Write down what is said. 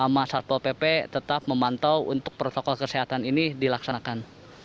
mas sarpol pp tetap memantau untuk protokol kesehatan ini dilaksanakan